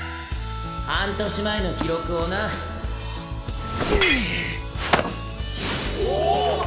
半年前の記録をな・お！